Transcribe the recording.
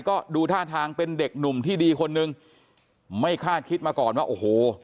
ก็ดูท่าทางเป็นเด็กหนุ่มที่ดีคนนึงไม่คาดคิดมาก่อนว่าโอ้โห